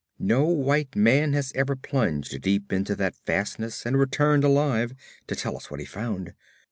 No white man has ever plunged deep into that fastness and returned alive to tell us what he found.